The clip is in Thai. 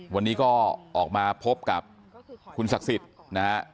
วันนี้ก็ออกมาพบกับคุณศักดิ์สิทธิ์นะฮะ